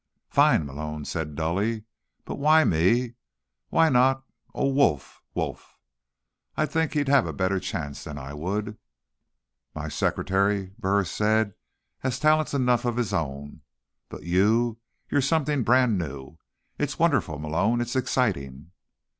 "Fine," Malone said dully. "But why me? Why not, oh, Wolfe Wolf? I'd think he'd have a better chance than I would." "My secretary," Burris said, "has talents enough of his own. But you, you're something brand new. It's wonderful, Malone. It's exciting."